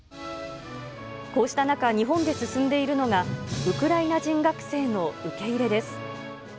こうした中、日本で進んでいるのが、ウクライナ人学生の受け入れです。